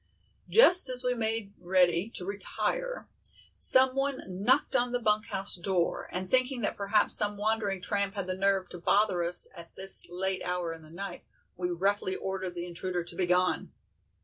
Just as we made ready to retire someone knocked on the bunk house door, and thinking that perhaps some wandering tramp had the nerve to bother us at this late hour in the night, we roughly ordered the intruder to be gone.